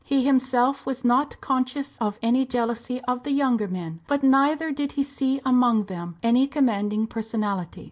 He himself was not conscious of any jealousy of the younger men; but neither did he see among them any commanding personality.